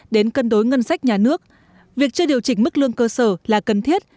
đến cân đối ngân sách nhà nước việc chưa điều chỉnh mức lương cơ sở là cần thiết